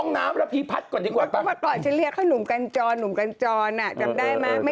ชั่วใจหนุ่มกัลจัยหล่อเจ้าตาย